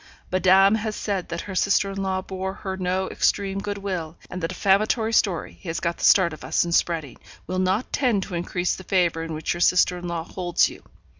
Madame has said that her sister in law bore her no extreme good will; and the defamatory story he has got the start of us in spreading, will not tend to increase the favour in which your sister in law holds you.